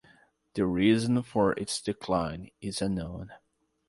The reason for its decline is unknown.